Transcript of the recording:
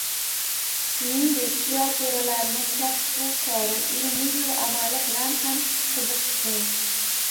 Shuningdek kuyovto‘ralarni kasbu kori, ilmi-yu amali bilan ham qiziqishgan